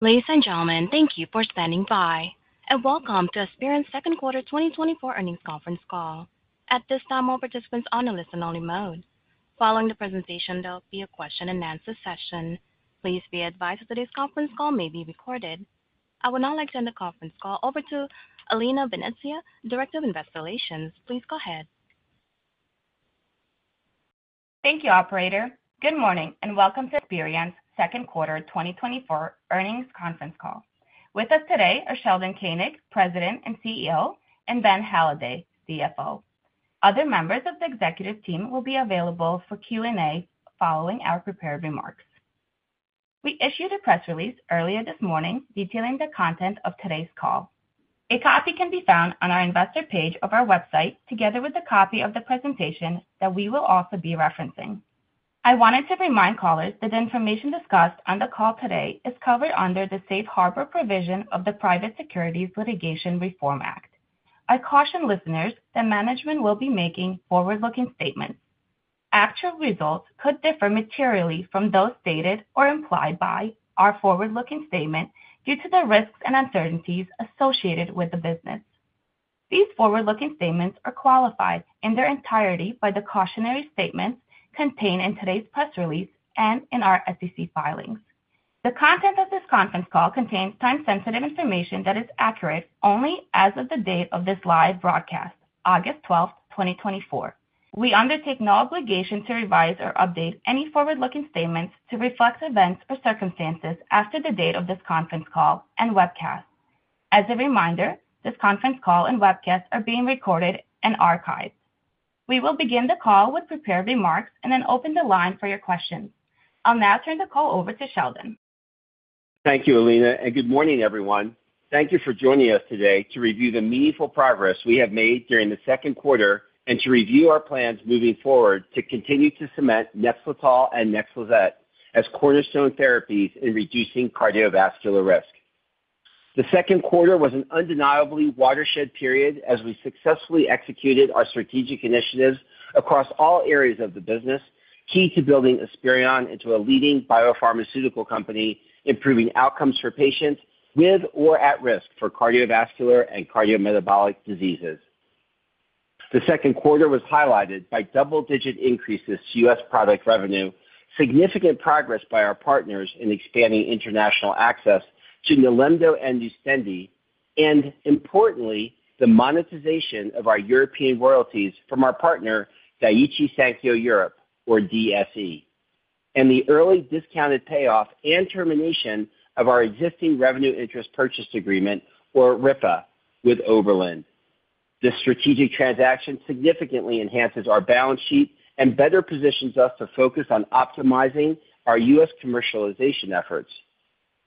Ladies and gentlemen, thank you for standing by, and welcome to Esperion's Second Quarter 2024 Earnings Conference Call. At this time, all participants are on a listen-only mode. Following the presentation, there'll be a question-and-answer session. Please be advised that today's conference call may be recorded. I would now like to turn the conference call over to Alina Venezia, Director of Investor Relations. Please go ahead. Thank you, operator. Good morning, and welcome to Esperion's Second Quarter 2024 Earnings Conference Call. With us today are Sheldon Koenig, President and CEO, and Ben Halliday, CFO. Other members of the executive team will be available for Q&A following our prepared remarks. We issued a press release earlier this morning detailing the content of today's call. A copy can be found on our investor page of our website, together with a copy of the presentation that we will also be referencing. I wanted to remind callers that the information discussed on the call today is covered under the safe harbor provision of the Private Securities Litigation Reform Act. I caution listeners that management will be making forward-looking statements. Actual results could differ materially from those stated or implied by our forward-looking statement due to the risks and uncertainties associated with the business. These forward-looking statements are qualified in their entirety by the cautionary statements contained in today's press release and in our SEC filings. The content of this conference call contains time-sensitive information that is accurate only as of the date of this live broadcast, August 12, 2024. We undertake no obligation to revise or update any forward-looking statements to reflect events or circumstances after the date of this conference call and webcast. As a reminder, this conference call and webcast are being recorded and archived. We will begin the call with prepared remarks and then open the line for your questions. I'll now turn the call over to Sheldon. Thank you, Alina, and good morning, everyone. Thank you for joining us today to review the meaningful progress we have made during the second quarter and to review our plans moving forward to continue to cement Nexletol and Nexlizet as cornerstone therapies in reducing cardiovascular risk. The second quarter was an undeniably watershed period as we successfully executed our strategic initiatives across all areas of the business, key to building Esperion into a leading biopharmaceutical company, improving outcomes for patients with or at risk for cardiovascular and cardiometabolic diseases. The second quarter was highlighted by double-digit increases to US product revenue, significant progress by our partners in expanding international access to Nilemdo and Nustendi, and importantly, the monetization of our European royalties from our partner, Daiichi Sankyo Europe, or DSE, and the early discounted payoff and termination of our existing revenue interest purchase agreement, or RIPA, with Oberland. This strategic transaction significantly enhances our balance sheet and better positions us to focus on optimizing our US commercialization efforts.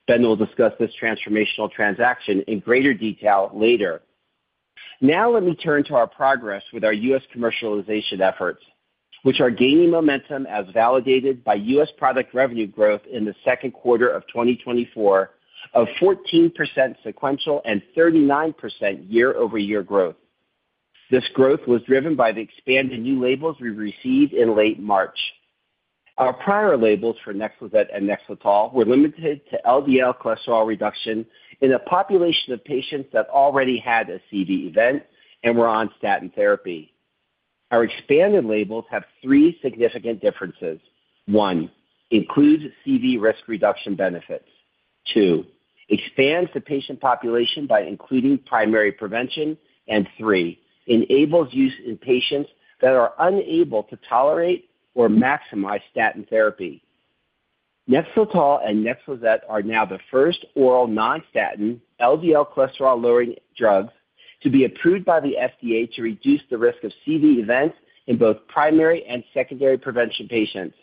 Ben will discuss this transformational transaction in greater detail later. Now let me turn to our progress with our US commercialization efforts, which are gaining momentum as validated by US product revenue growth in the second quarter of 2024 of 14% sequential and 39% year-over-year growth. This growth was driven by the expanded new labels we received in late March. Our prior labels for Nexlizet and Nexletol were limited to LDL cholesterol reduction in a population of patients that already had a CV event and were on statin therapy. Our expanded labels have three significant differences. One, includes CV risk reduction benefits. Two, expands the patient population by including primary prevention. And three, enables use in patients that are unable to tolerate or maximize statin therapy. Nexletol and Nexlizet are now the first oral non-statin, LDL cholesterol-lowering drugs to be approved by the FDA to reduce the risk of CV events in both primary and secondary prevention patients.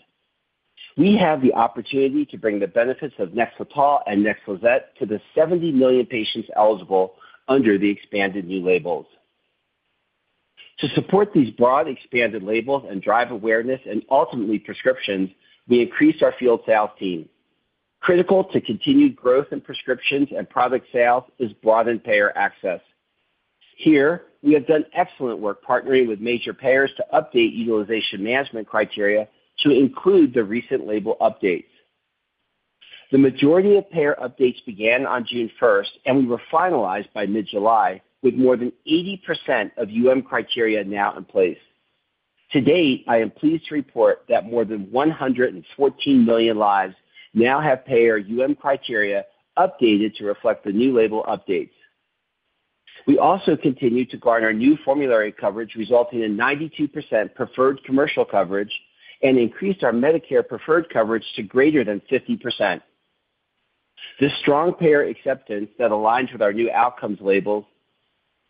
We have the opportunity to bring the benefits of Nexletol and Nexlizet to the 70 million patients eligible under the expanded new labels. To support these broad, expanded labels and drive awareness and ultimately prescriptions, we increased our field sales team. Critical to continued growth in prescriptions and product sales is broadened payer access. Here, we have done excellent work partnering with major payers to update utilization management criteria to include the recent label updates. The majority of payer updates began on June first and were finalized by mid-July, with more than 80% of UM criteria now in place. To date, I am pleased to report that more than 114 million lives now have payer UM criteria updated to reflect the new label updates. We also continue to garner new formulary coverage, resulting in 92% preferred commercial coverage and increased our Medicare preferred coverage to greater than 50%. This strong payer acceptance that aligns with our new outcomes labels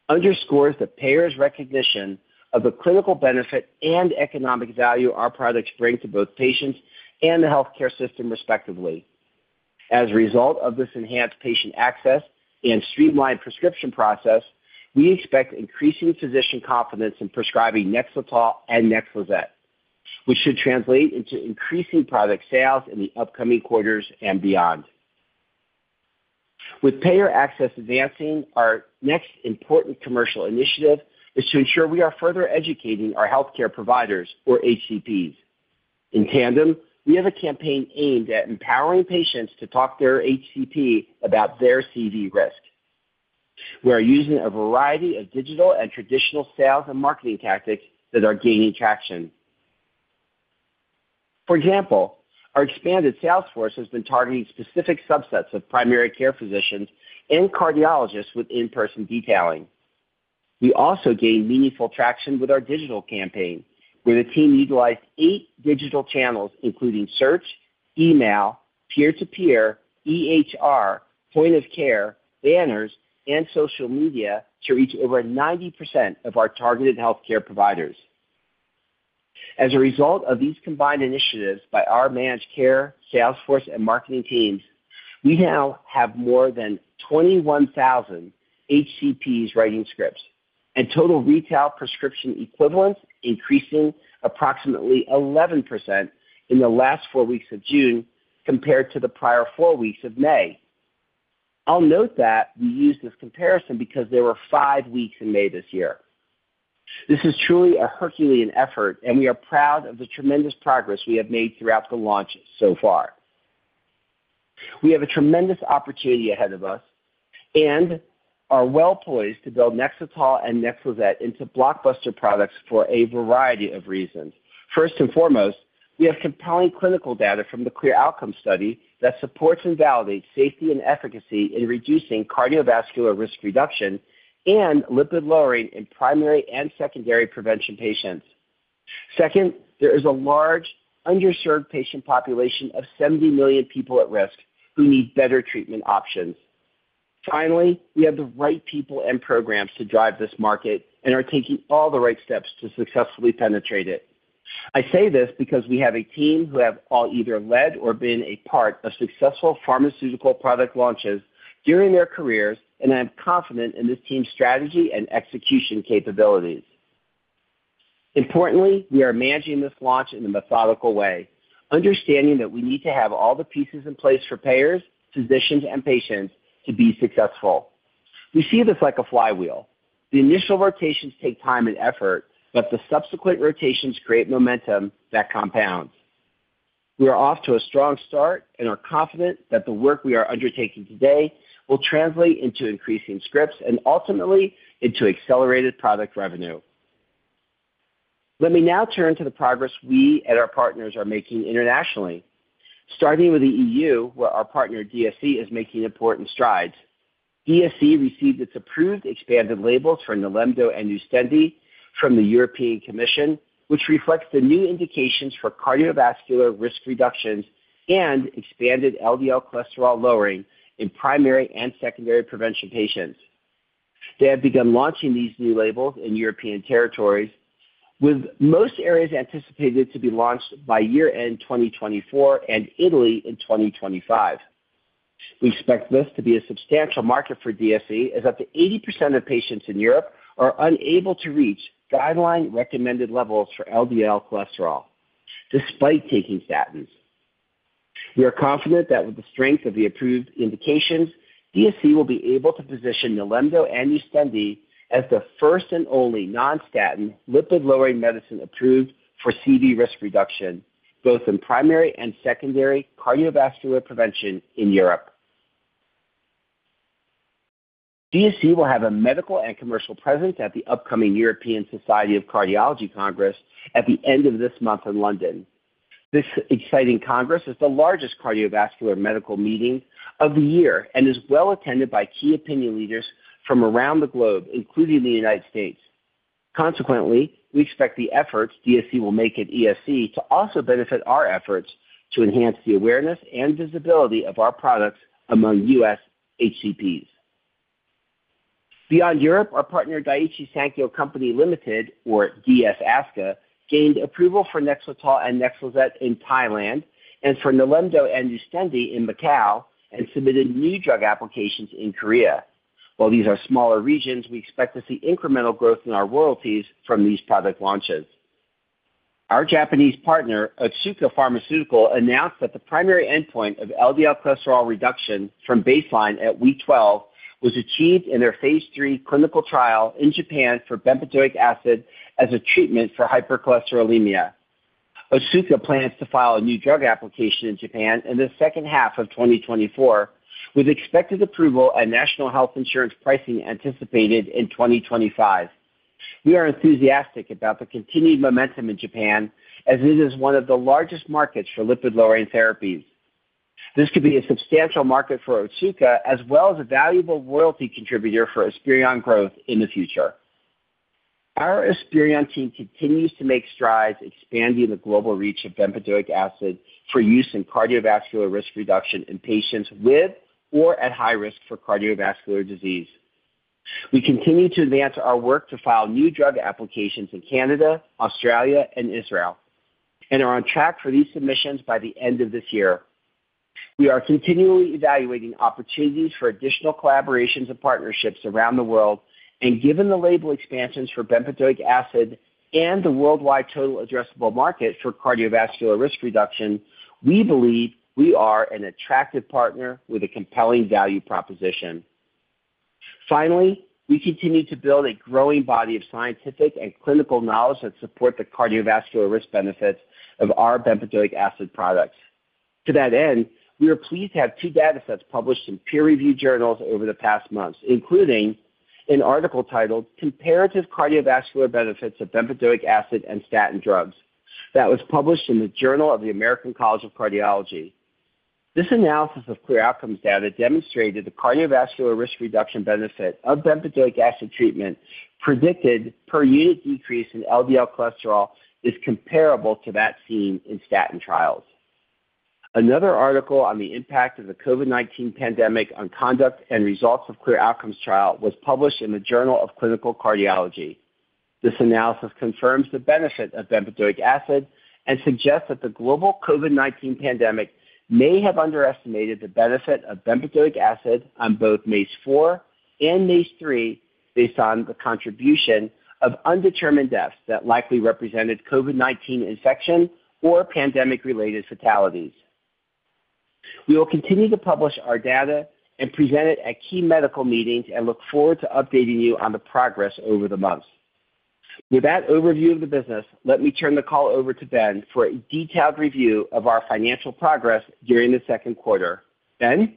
underscores the payer's recognition of the clinical benefit and economic value our products bring to both patients and the healthcare system, respectively. As a result of this enhanced patient access and streamlined prescription process, we expect increasing physician confidence in prescribing Nexletol and Nexlizet, which should translate into increasing product sales in the upcoming quarters and beyond. With payer access advancing, our next important commercial initiative is to ensure we are further educating our healthcare providers, or HCPs.... In tandem, we have a campaign aimed at empowering patients to talk to their HCP about their CV risk. We are using a variety of digital and traditional sales and marketing tactics that are gaining traction. For example, our expanded sales force has been targeting specific subsets of primary care physicians and cardiologists with in-person detailing. We also gained meaningful traction with our digital campaign, where the team utilized eight digital channels, including search, email, peer-to-peer, EHR, point of care, banners, and social media, to reach over 90% of our targeted healthcare providers. As a result of these combined initiatives by our managed care, sales force, and marketing teams, we now have more than 21,000 HCPs writing scripts and total retail prescription equivalents, increasing approximately 11% in the last four weeks of June compared to the prior four weeks of May. I'll note that we use this comparison because there were five weeks in May this year. This is truly a Herculean effort, and we are proud of the tremendous progress we have made throughout the launches so far. We have a tremendous opportunity ahead of us and are well poised to build Nexletol and Nexlizet into blockbuster products for a variety of reasons. First and foremost, we have compelling clinical data from the CLEAR Outcomes study that supports and validates safety and efficacy in reducing cardiovascular risk reduction and lipid lowering in primary and secondary prevention patients. Second, there is a large underserved patient population of 70 million people at risk who need better treatment options. Finally, we have the right people and programs to drive this market and are taking all the right steps to successfully penetrate it. I say this because we have a team who have all either led or been a part of successful pharmaceutical product launches during their careers, and I am confident in this team's strategy and execution capabilities. Importantly, we are managing this launch in a methodical way, understanding that we need to have all the pieces in place for payers, physicians, and patients to be successful. We see this like a flywheel. The initial rotations take time and effort, but the subsequent rotations create momentum that compounds. We are off to a strong start and are confident that the work we are undertaking today will translate into increasing scripts and ultimately into accelerated product revenue. Let me now turn to the progress we and our partners are making internationally, starting with the EU, where our partner, DSE, is making important strides. DSE received its approved expanded labels for Nilemdo and Nustendi from the European Commission, which reflects the new indications for cardiovascular risk reductions and expanded LDL cholesterol lowering in primary and secondary prevention patients. They have begun launching these new labels in European territories, with most areas anticipated to be launched by year-end, 2024, and Italy in 2025. We expect this to be a substantial market for DSE, as up to 80% of patients in Europe are unable to reach guideline recommended levels for LDL cholesterol despite taking statins. We are confident that with the strength of the approved indications, DSE will be able to position Nilemdo and Nustendi as the first and only non-statin, lipid-lowering medicine approved for CV risk reduction, both in primary and secondary cardiovascular prevention in Europe. DSE will have a medical and commercial presence at the upcoming European Society of Cardiology Congress at the end of this month in London. This exciting congress is the largest cardiovascular medical meeting of the year and is well attended by key opinion leaders from around the globe, including the United States. Consequently, we expect the efforts DSE will make at ESC to also benefit our efforts to enhance the awareness and visibility of our products among U.S. HCPs. Beyond Europe, our partner, Daiichi Sankyo Company, Limited, or DS ASCA, gained approval for Nexletol and Nexlizet in Thailand and for Nilemdo and Nustendi in Macau, and submitted new drug applications in Korea. While these are smaller regions, we expect to see incremental growth in our royalties from these product launches. Our Japanese partner, Otsuka Pharmaceutical, announced that the primary endpoint of LDL cholesterol reduction from baseline at week 12 was achieved in their phase 3 clinical trial in Japan for bempedoic acid as a treatment for hypercholesterolemia. Otsuka plans to file a new drug application in Japan in the second half of 2024, with expected approval and national health insurance pricing anticipated in 2025. We are enthusiastic about the continued momentum in Japan as it is one of the largest markets for lipid-lowering therapies. This could be a substantial market for Otsuka, as well as a valuable royalty contributor for Esperion growth in the future. Our Esperion team continues to make strides expanding the global reach of bempedoic acid for use in cardiovascular risk reduction in patients with or at high risk for cardiovascular disease. We continue to advance our work to file new drug applications in Canada, Australia, and Israel, and are on track for these submissions by the end of this year. We are continually evaluating opportunities for additional collaborations and partnerships around the world, and given the label expansions for bempedoic acid and the worldwide total addressable market for cardiovascular risk reduction, we believe we are an attractive partner with a compelling value proposition. Finally, we continue to build a growing body of scientific and clinical knowledge that support the cardiovascular risk benefits of our bempedoic acid products. To that end, we are pleased to have two data sets published in peer-reviewed journals over the past months, including an article titled Comparative Cardiovascular Benefits of Bempedoic Acid and Statin Drugs, that was published in the Journal of the American College of Cardiology. This analysis of CLEAR Outcomes data demonstrated the cardiovascular risk reduction benefit of bempedoic acid treatment predicted per unit decrease in LDL cholesterol, is comparable to that seen in statin trials. Another article on the impact of the COVID-19 pandemic on conduct and results of CLEAR Outcomes trial was published in the Journal of Clinical Cardiology. This analysis confirms the benefit of bempedoic acid and suggests that the global COVID-19 pandemic may have underestimated the benefit of bempedoic acid on both MACE-4 and MACE-3, based on the contribution of undetermined deaths that likely represented COVID-19 infection or pandemic-related fatalities. We will continue to publish our data and present it at key medical meetings and look forward to updating you on the progress over the months. With that overview of the business, let me turn the call over to Ben for a detailed review of our financial progress during the second quarter. Ben?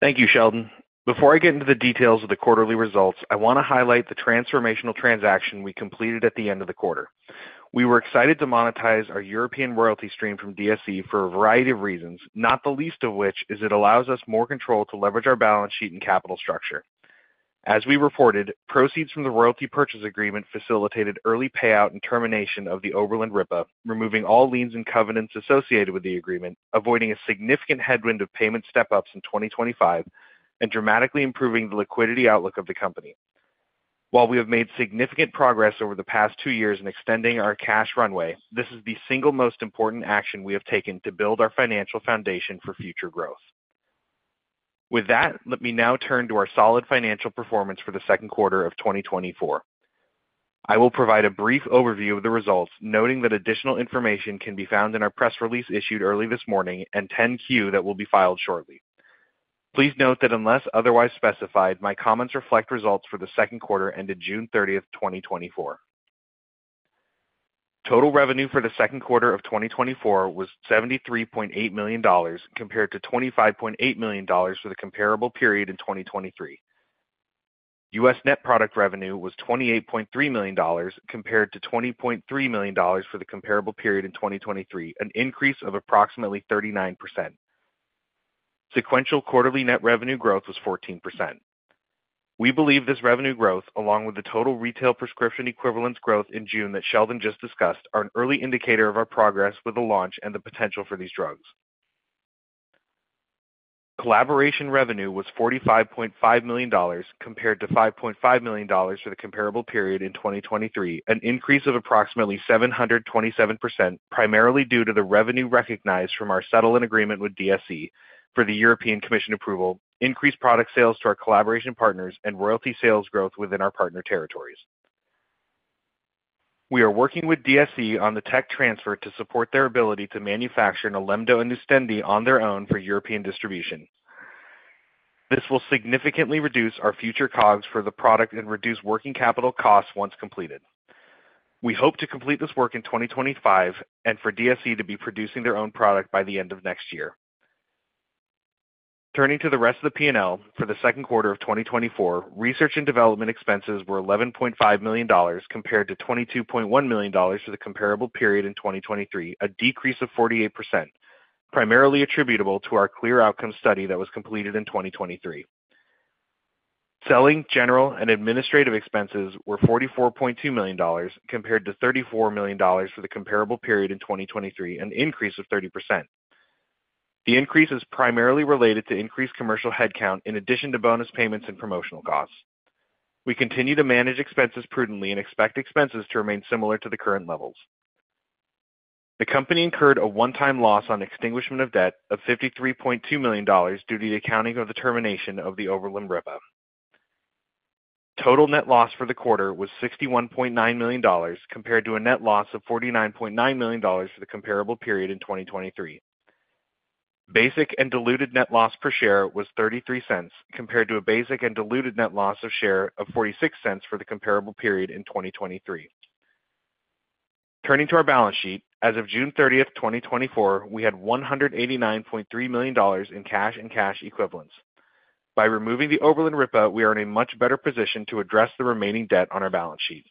Thank you, Sheldon. Before I get into the details of the quarterly results, I want to highlight the transformational transaction we completed at the end of the quarter. We were excited to monetize our European royalty stream from DSE for a variety of reasons, not the least of which is it allows us more control to leverage our balance sheet and capital structure. As we reported, proceeds from the royalty purchase agreement facilitated early payout and termination of the Oberland RIPA, removing all liens and covenants associated with the agreement, avoiding a significant headwind of payment step-ups in 2025, and dramatically improving the liquidity outlook of the company. While we have made significant progress over the past two years in extending our cash runway, this is the single most important action we have taken to build our financial foundation for future growth. With that, let me now turn to our solid financial performance for the second quarter of 2024. I will provide a brief overview of the results, noting that additional information can be found in our press release issued early this morning and 10-Q that will be filed shortly. Please note that unless otherwise specified, my comments reflect results for the second quarter ended June 30, 2024. Total revenue for the second quarter of 2024 was $73.8 million, compared to $25.8 million for the comparable period in 2023. U.S. net product revenue was $28.3 million, compared to $20.3 million for the comparable period in 2023, an increase of approximately 39%. Sequential quarterly net revenue growth was 14%. We believe this revenue growth, along with the total retail prescription equivalence growth in June that Sheldon just discussed, are an early indicator of our progress with the launch and the potential for these drugs. Collaboration revenue was $45.5 million, compared to $5.5 million for the comparable period in 2023, an increase of approximately 727%, primarily due to the revenue recognized from our settlement agreement with DSE for the European Commission approval, increased product sales to our collaboration partners and royalty sales growth within our partner territories. We are working with DSE on the tech transfer to support their ability to manufacture Nilemdo and Nustendi on their own for European distribution. This will significantly reduce our future COGS for the product and reduce working capital costs once completed. We hope to complete this work in 2025 and for DSE to be producing their own product by the end of next year. Turning to the rest of the P&L for the second quarter of 2024, research and development expenses were $11.5 million, compared to $22.1 million for the comparable period in 2023, a decrease of 48%, primarily attributable to our CLEAR Outcomes study that was completed in 2023. Selling general and administrative expenses were $44.2 million, compared to $34 million for the comparable period in 2023, an increase of 30%. The increase is primarily related to increased commercial headcount in addition to bonus payments and promotional costs. We continue to manage expenses prudently and expect expenses to remain similar to the current levels. The company incurred a one-time loss on extinguishment of debt of $53.2 million due to the accounting of the termination of the Oberland RIPA. Total net loss for the quarter was $61.9 million, compared to a net loss of $49.9 million for the comparable period in 2023. Basic and diluted net loss per share was $0.33, compared to a basic and diluted net loss of share of $0.46 for the comparable period in 2023. Turning to our balance sheet. As of June 30, 2024, we had $189.3 million in cash and cash equivalents. By removing the Oberland RIPA, we are in a much better position to address the remaining debt on our balance sheet.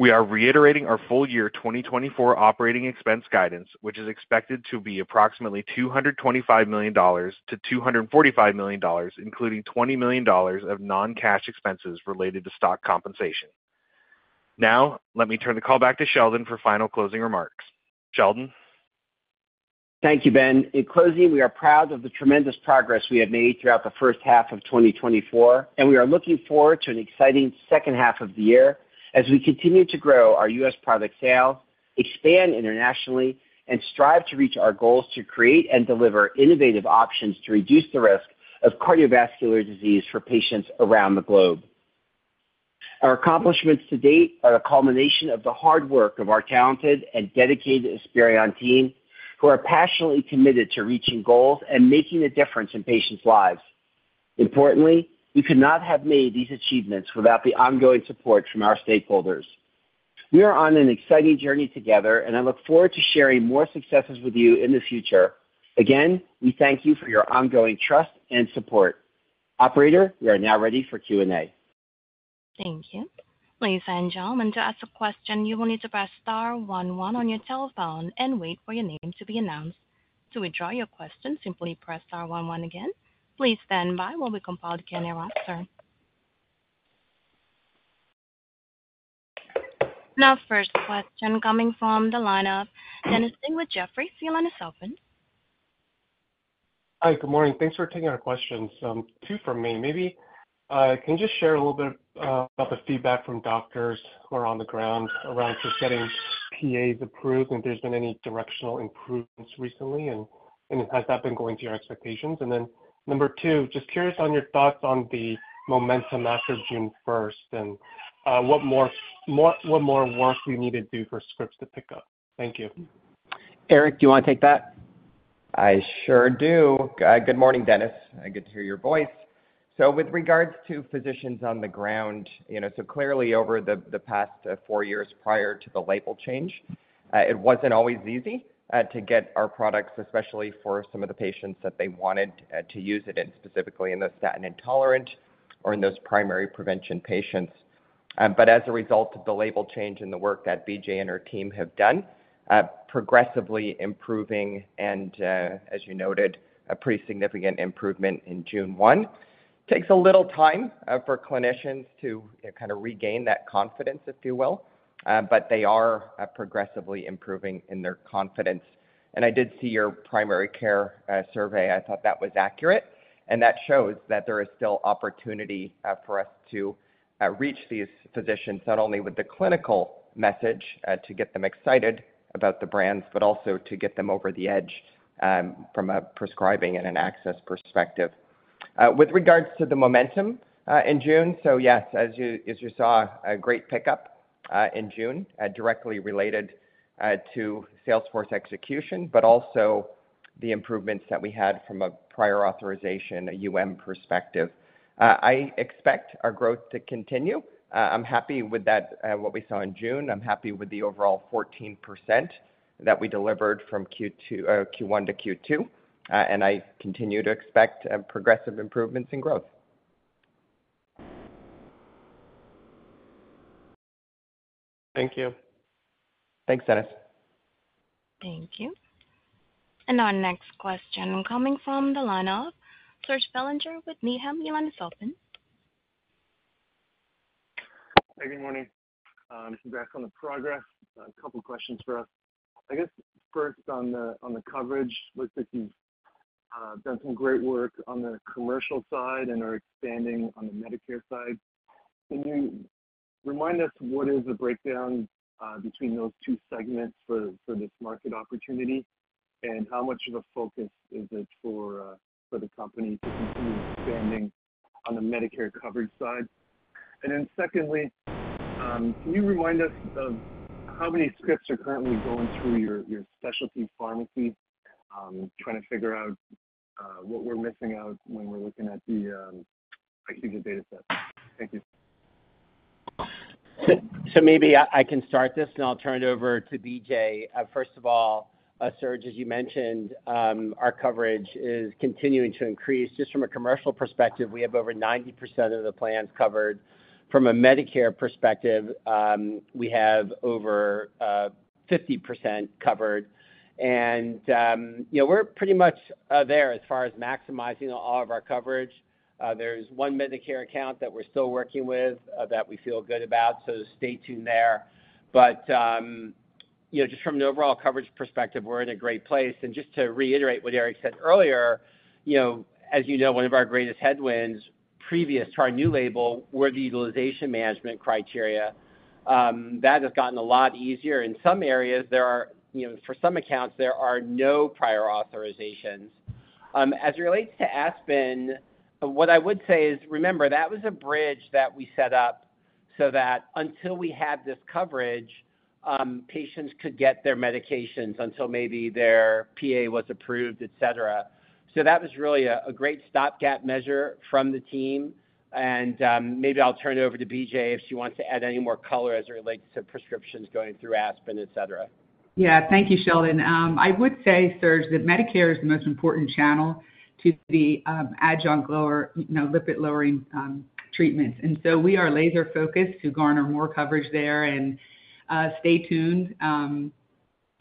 We are reiterating our full year 2024 operating expense guidance, which is expected to be approximately $225 million-$245 million, including $20 million of non-cash expenses related to stock compensation. Now, let me turn the call back to Sheldon for final closing remarks. Sheldon? Thank you, Ben. In closing, we are proud of the tremendous progress we have made throughout the first half of 2024, and we are looking forward to an exciting second half of the year as we continue to grow our US product sales, expand internationally, and strive to reach our goals to create and deliver innovative options to reduce the risk of cardiovascular disease for patients around the globe.... Our accomplishments to date are a culmination of the hard work of our talented and dedicated Esperion team, who are passionately committed to reaching goals and making a difference in patients' lives. Importantly, we could not have made these achievements without the ongoing support from our stakeholders. We are on an exciting journey together, and I look forward to sharing more successes with you in the future. Again, we thank you for your ongoing trust and support. Operator, we are now ready for Q&A. Thank you. Ladies and gentlemen, to ask a question, you will need to press star one one on your telephone and wait for your name to be announced. To withdraw your question, simply press star one one again. Please stand by while we compile the Q&A roster. Our first question coming from the line of Dennis Ding with Jefferies. Your line is open. Hi, good morning. Thanks for taking our questions. Two from me. Maybe can you just share a little bit about the feedback from doctors who are on the ground around just getting PAs approved, and if there's been any directional improvements recently, and has that been going to your expectations? And then number two, just curious on your thoughts on the momentum after June first, and what more work we need to do for scripts to pick up? Thank you. Eric, do you want to take that? I sure do. Good morning, Dennis. Good to hear your voice. So with regards to physicians on the ground, you know, so clearly over the past four years prior to the label change, it wasn't always easy to get our products, especially for some of the patients that they wanted to use it in, specifically in the statin intolerant or in those primary prevention patients. But as a result of the label change and the work that BJ and her team have done, progressively improving and, as you noted, a pretty significant improvement in June one. Takes a little time for clinicians to kind of regain that confidence, if you will, but they are progressively improving in their confidence. And I did see your primary care survey. I thought that was accurate, and that shows that there is still opportunity for us to reach these physicians, not only with the clinical message to get them excited about the brands, but also to get them over the edge from a prescribing and an access perspective. With regards to the momentum in June, so yes, as you saw, a great pickup in June directly related to sales force execution, but also the improvements that we had from a prior authorization, a UM perspective. I expect our growth to continue. I'm happy with that, what we saw in June. I'm happy with the overall 14% that we delivered from Q2, Q1 to Q2. And I continue to expect progressive improvements in growth. Thank you. Thanks, Dennis. Thank you. Our next question coming from the line of Serge Belanger with Needham & Company. Your line is open. Hey, good morning. Congrats on the progress. A couple questions for us. I guess first on the coverage. Looks like you've done some great work on the commercial side and are expanding on the Medicare side. Can you remind us what is the breakdown between those two segments for this market opportunity? And how much of a focus is it for the company to continue expanding on the Medicare coverage side? And then secondly, can you remind us of how many scripts are currently going through your specialty pharmacy? Trying to figure out what we're missing out when we're looking at I think the data set. Thank you. Maybe I can start this, and I'll turn it over to BJ. First of all, Serge, as you mentioned, our coverage is continuing to increase. Just from a commercial perspective, we have over 90% of the plans covered. From a Medicare perspective, we have over 50% covered, and you know, we're pretty much there as far as maximizing all of our coverage. There's one Medicare account that we're still working with that we feel good about, so stay tuned there. But you know, just from an overall coverage perspective, we're in a great place. And just to reiterate what Eric said earlier, you know, as you know, one of our greatest headwinds previous to our new label were the utilization management criteria. That has gotten a lot easier. In some areas, there are, you know, for some accounts, there are no prior authorizations. As it relates to Aspen, what I would say is, remember, that was a bridge that we set up so that until we had this coverage, patients could get their medications until maybe their PA was approved, et cetera. So that was really a great stopgap measure from the team. Maybe I'll turn it over to BJ if she wants to add any more color as it relates to prescriptions going through Aspen, et cetera. Yeah. Thank you, Sheldon. I would say, Serge, that Medicare is the most important channel to the, adjunct lower, you know, lipid-lowering, treatments. And so we are laser focused to garner more coverage there and, stay tuned.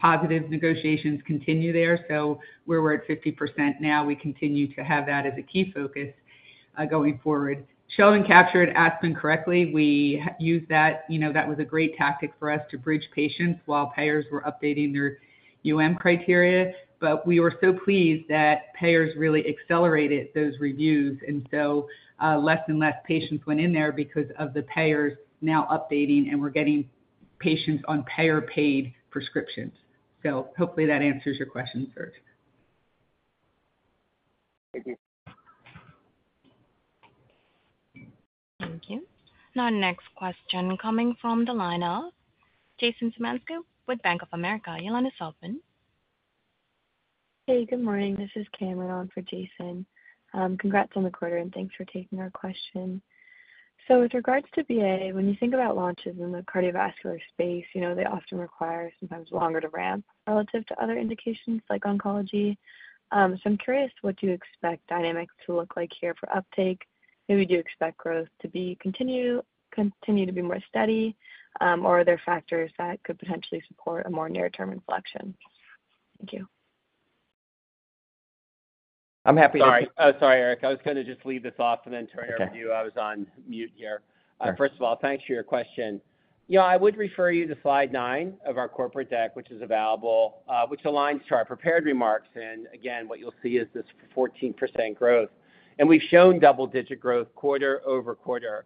Positive negotiations continue there, so we're where we're at 50% now. We continue to have that as a key focus, going forward. Sheldon captured Aspen correctly. We use that... You know, that was a great tactic for us to bridge patients while payers were updating their UM criteria. But we were so pleased that payers really accelerated those reviews, and so, less and less patients went in there because of the payers now updating, and we're getting patients on payer-paid prescriptions. So hopefully that answers your question, Serge. Thank you. Thank you. Our next question coming from the line of Jason Zemansky with Bank of America. Your line is open. Hey, good morning. This is Cameron on for Jason. Congrats on the quarter, and thanks for taking our question. So with regards to BA, when you think about launches in the cardiovascular space, you know, they often require sometimes longer to ramp relative to other indications like oncology. So I'm curious, what do you expect dynamics to look like here for uptake? Maybe do you expect growth to be continue to be more steady, or are there factors that could potentially support a more near-term inflection? Thank you. I'm happy- Sorry. Sorry, Eric. I was gonna just leave this off and then turn it over to you. Okay. I was on mute here. Sure. First of all, thanks for your question. You know, I would refer you to slide 9 of our corporate deck, which is available, which aligns to our prepared remarks. Again, what you'll see is this 14% growth, and we've shown double-digit growth quarter-over-quarter.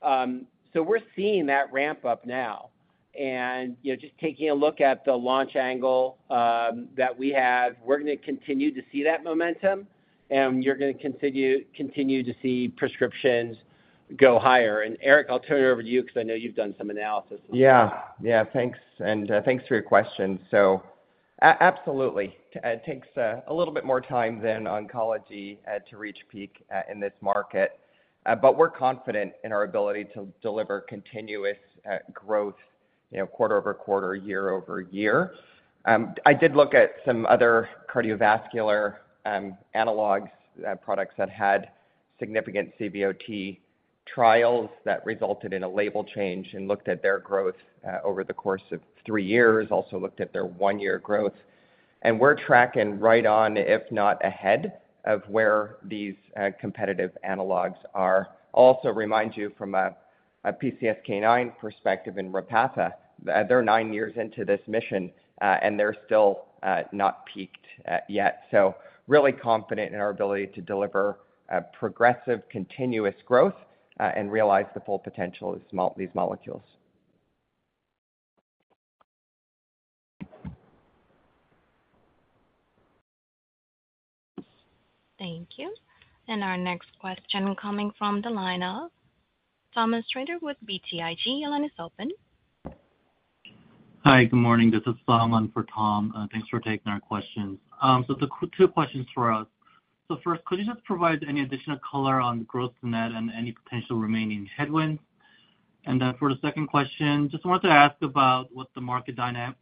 So we're seeing that ramp up now. And, you know, just taking a look at the launch angle, that we have, we're gonna continue to see that momentum, and you're gonna continue, continue to see prescriptions go higher. And Eric, I'll turn it over to you because I know you've done some analysis. Yeah. Yeah, thanks, and, thanks for your question. So absolutely, it takes, a little bit more time than oncology, to reach peak, in this market, but we're confident in our ability to deliver continuous, growth, you know, quarter-over-quarter, year-over-year. I did look at some other cardiovascular, analogs, products that had significant CVOT trials that resulted in a label change and looked at their growth, over the course of 3 years, also looked at their 1-year growth. And we're tracking right on, if not ahead, of where these, competitive analogs are. Also remind you from a, PCSK9 perspective in Repatha, they're 9 years into this mission, and they're still, not peaked, yet. So really confident in our ability to deliver a progressive, continuous growth, and realize the full potential of these molecules. Thank you. Our next question coming from the line of Tom Shrader with BTIG. Your line is open. Hi, good morning. This is Solomon for Tom. Thanks for taking our questions. So the two questions for us. So first, could you just provide any additional color on gross net and any potential remaining headwinds? And then for the second question, just wanted to ask about what the market dynamics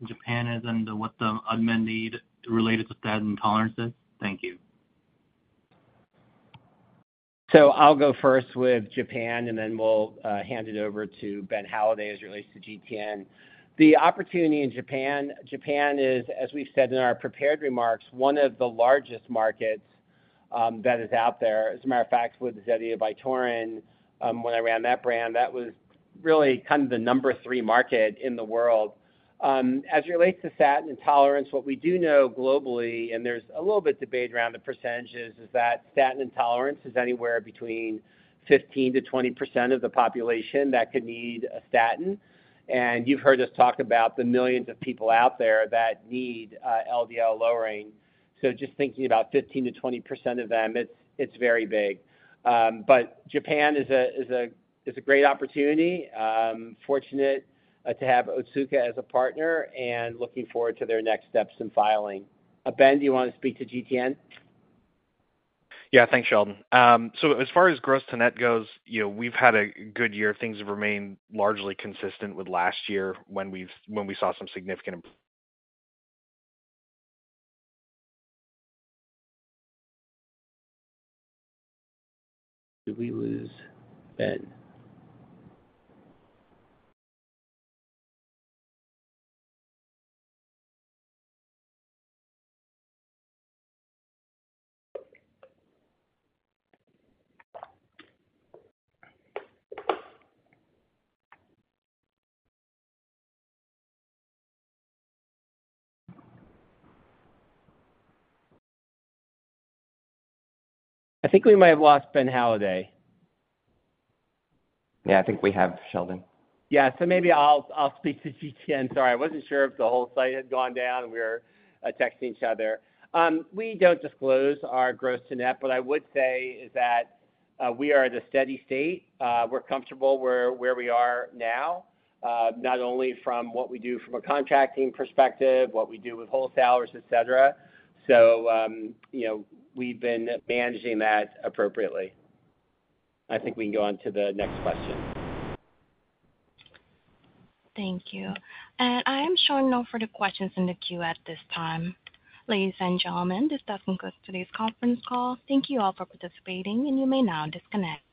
in Japan is and what the unmet need related to statin intolerance is. Thank you. So I'll go first with Japan, and then we'll hand it over to Ben Halliday as it relates to GTN. The opportunity in Japan. Japan is, as we've said in our prepared remarks, one of the largest markets that is out there. As a matter of fact, with Zetia, Vytorin, when I ran that brand, that was really kind of the number three market in the world. As it relates to statin intolerance, what we do know globally, and there's a little bit debate around the percentages, is that statin intolerance is anywhere between 15%-20% of the population that could need a statin. And you've heard us talk about the millions of people out there that need LDL lowering. So just thinking about 15%-20% of them, it's very big. But Japan is a great opportunity. Fortunate to have Otsuka as a partner and looking forward to their next steps in filing. Ben, do you want to speak to GTN? Yeah. Thanks, Sheldon. So as far as gross to net goes, you know, we've had a good year. Things have remained largely consistent with last year when we saw some significant imp- Did we lose Ben? I think we might have lost Ben Halliday. Yeah, I think we have, Sheldon. Yeah. So maybe I'll, I'll speak to GTN. Sorry, I wasn't sure if the whole site had gone down. We were texting each other. We don't disclose our gross to net, but I would say is that, we are at a steady state. We're comfortable where, where we are now, not only from what we do from a contracting perspective, what we do with wholesalers, et cetera. So, you know, we've been managing that appropriately. I think we can go on to the next question. Thank you. And I'm showing no further questions in the queue at this time. Ladies and gentlemen, this does conclude today's conference call. Thank you all for participating, and you may now disconnect.